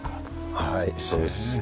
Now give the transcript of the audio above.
はいそうです。